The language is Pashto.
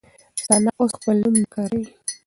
ثنا اوس خپل نوم نه کاروي.